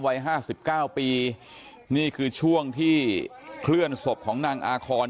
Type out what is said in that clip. วัยห้าสิบเก้าปีนี่คือช่วงที่เคลื่อนศพของนางอาคอน